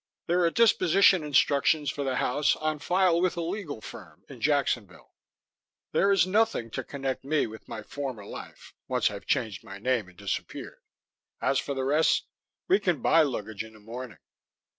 "There are disposition instructions for the house on file with a legal firm in Jacksonville. There is nothing to connect me with my former life, once I've changed my name and disappeared. As for the rest we can buy luggage in the morning.